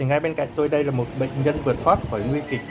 ngay bên cạnh tôi đây là một bệnh nhân vượt thoát khỏi nguy kịch